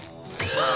ああ！